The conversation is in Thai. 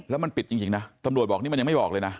แล้วมันปิดจริงนะตำรวจบอกนี่มันยังไม่บอกเลยนะ